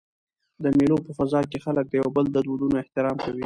د مېلو په فضا کښي خلک د یو بل د دودونو احترام کوي.